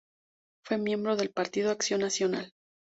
Fue miembro del Partido Acción Nacional.